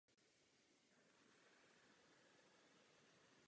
Toto je založeno na hodnotách konkrétní společnosti.